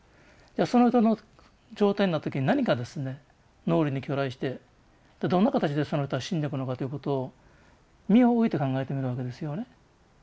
その人の状態になった時に何がですね脳裏に去来してどんな形でその人は死んでいくのかっていうことを身を置いて考えてみるわけですよね。